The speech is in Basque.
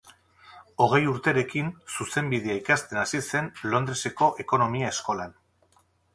Hogei urterekin Zuzenbidea ikasten hasi zen Londresko Ekonomia Eskolan.